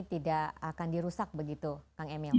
tidak akan dirusak begitu kang emil